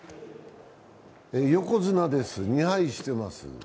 横綱です、２敗してます。